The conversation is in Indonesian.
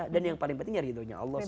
dan yang paling pentingnya ridhunya allah